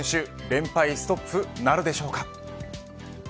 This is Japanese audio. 連敗ストップなるでしょうか。